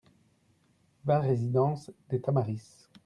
vingt résidence des Tamaris